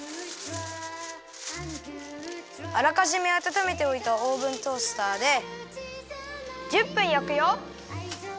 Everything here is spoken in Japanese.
あらかじめあたためておいたオーブントースターで１０分焼くよ。